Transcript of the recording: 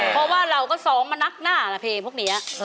เพราะว่าเราก็ซ้อมมานักหน้าละเพลงพวกนี้